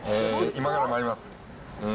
今からまいります。